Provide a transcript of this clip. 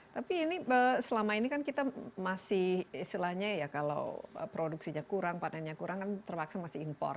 tapi ini selama ini kan kita masih istilahnya ya kalau produksinya kurang panennya kurang kan terpaksa masih impor